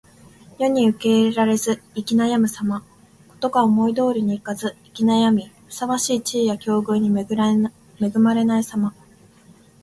世に受け入れられず行き悩むさま。事が思い通りにいかず行き悩み、ふさわしい地位や境遇に恵まれないさま。